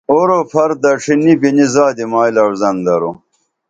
اورو پھر دڇھی نی بِنی زادی مائی لعوزن درو